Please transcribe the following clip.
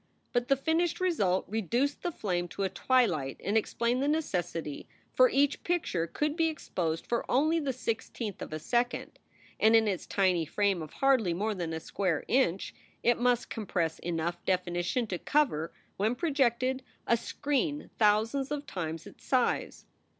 But the finished result reduced the flame to a twilight and explained the necessity, for each picture could be exposed for only the sixteenth of a second, and in its tiny frame of hardly more than a square inch it must compress enough definition to cover, when projected, a screen thousands of times its size.